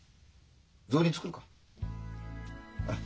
雑煮作るか？